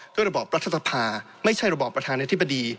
ด้วยระบอบประธรรพาไม่ใช่ระบอบประธานธิบดี